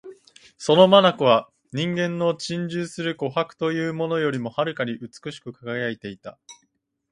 その眼は人間の珍重する琥珀というものよりも遥かに美しく輝いていた